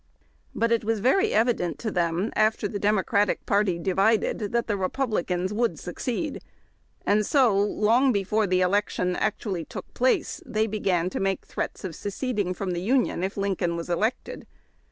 But it was very evident to them, after the Democratic party divided, that the Republicans would suc ceed, and so, long before the election actually took place, they began to make threats of seceding from the Union if Lincoln was elected.